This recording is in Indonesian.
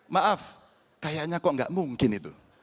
maaf kayaknya kok nggak mungkin itu